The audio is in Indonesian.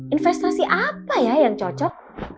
investasi apa ya yang cocok